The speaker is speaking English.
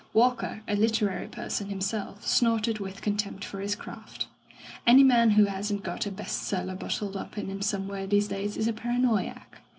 '* Walker, a literary person himself, snorted with contempt for his craft. "Any man who hasn't got a 'best seller' bottled up in him somewhere these days is a paranoiac.